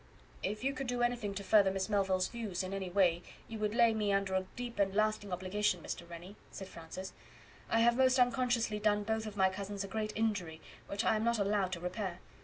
"If you could do anything to further Miss Melville's views in any way you would lay me under a deep and lasting obligation, Mr. Rennie," said Francis. "I have most unconsciously done both of my cousins a great injury, which I am not allowed to repair.